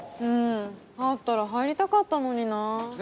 うんあったら入りたかったのにな。